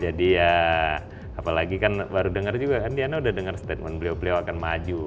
jadi ya apalagi kan baru dengar juga kan diana udah dengar statement beliau beliau akan maju